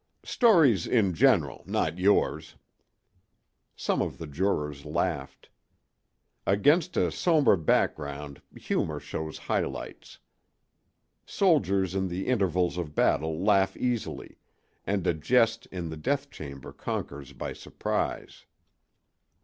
"Stories in general—not yours." Some of the jurors laughed. Against a sombre background humor shows high lights. Soldiers in the intervals of battle laugh easily, and a jest in the death chamber conquers by surprise.